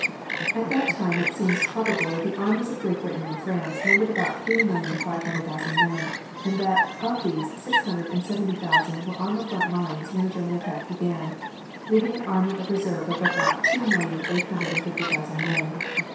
At that time it seems probable that the armies of Great Britain and France numbered about three million five hundred thousand men, and that, of these, six hundred and seventy thousand were on the front lines when the German attack began, leaving an army of reserve of about two million eight hundred and fifty thousand men.